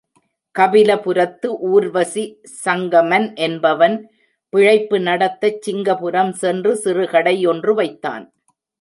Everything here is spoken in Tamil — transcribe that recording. கபிலபுரத்து ஊர்வாசி சங்கமன் என்பவன் பிழைப்பு நடத்தச் சிங்கபுரம் சென்று சிறுகடை ஒன்று வைத்தான்.